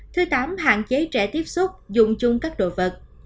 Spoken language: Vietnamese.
thứ tám hạn chế trẻ tiếp xúc dùng chung các đồ vật